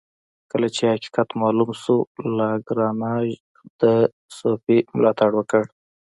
کله چې حقیقت معلوم شو لاګرانژ د صوفي ملاتړ وکړ.